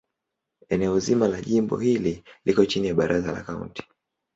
Eneo zima la jimbo hili liko chini ya Baraza la Kaunti.